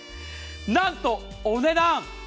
なんと、お値段。